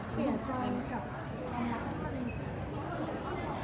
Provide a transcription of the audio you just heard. เสียใจกับความรักของเมม